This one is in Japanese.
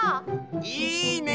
いいね！